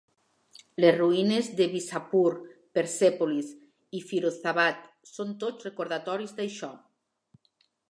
Les ruïnes de Bishapur, Persèpolis i Firouzabad són tots recordatoris d'això.